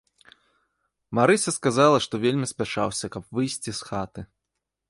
Марыся сказала, што вельмі спяшаўся, каб выйсці з хаты.